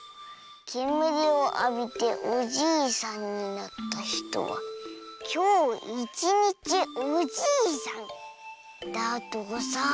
けむりをあびておじいさんになったひとはきょういちにちおじいさん」だとさ。